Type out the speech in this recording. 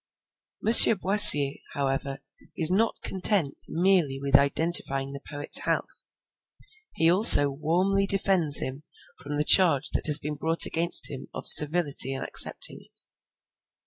M. Boissier, however, is not content merely with identifying the poet's house; he also warmly defends him from the charge that has been brought against him of servility in accepting it.